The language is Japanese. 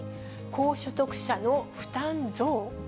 高所得者の負担増？